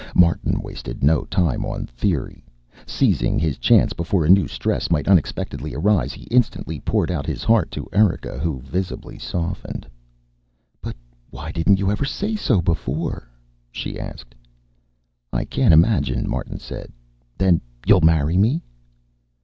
Martin wasted no time on theory. Seizing his chance before a new stress might unexpectedly arise, he instantly poured out his heart to Erika, who visibly softened. "But why didn't you ever say so before?" she asked. "I can't imagine," Martin said. "Then you'll marry me?"